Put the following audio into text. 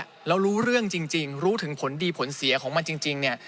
แล้วรู้เรื่องจริงรู้ถึงผลดีผลเสียของมันจริงเนี่ย